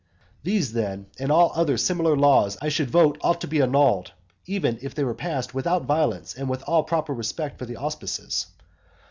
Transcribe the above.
These then, and all other similar laws, I should vote ought to be annulled, even if they had been passed without violence, and with all proper respect for the auspices.